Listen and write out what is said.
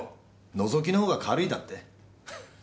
のぞきのほうが軽いだって！？